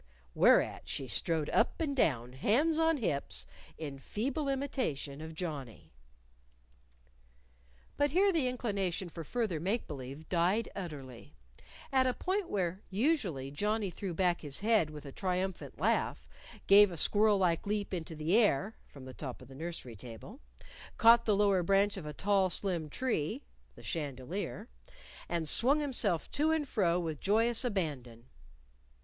Whereat she strode up and down, hands on hips, in feeble imitation of Johnnie. But here the inclination for further make believe died utterly at a point where, usually, Johnnie threw back his head with a triumphant laugh, gave a squirrel like leap into the air (from the top of the nursery table), caught the lower branch of a tall, slim tree (the chandelier), and swung himself to and fro with joyous abandon.